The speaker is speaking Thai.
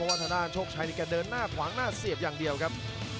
เพราะว่าธนาชกชัยก็เดินหน้าถวางหน้าเสียบอย่างเดียวครับ